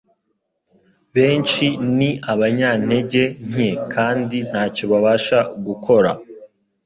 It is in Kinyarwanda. Benshi ni abanyantege nke kandi ntacyo babasha gukora